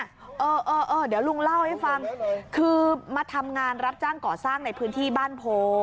เออเออเดี๋ยวลุงเล่าให้ฟังคือมาทำงานรับจ้างก่อสร้างในพื้นที่บ้านโพ